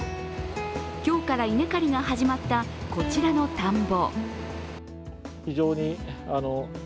今日から稲刈りが始まったこちらの田んぼ。